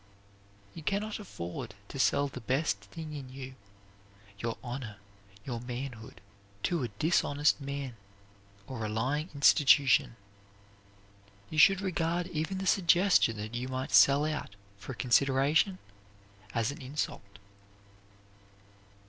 You can not afford to sell the best thing in you, your honor, your manhood, to a dishonest man or a lying institution. You should regard even the suggestion that you might sell out for a consideration as an insult.